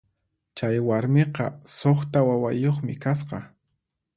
Chay warmiqa suqta wawayuqmi kasqa.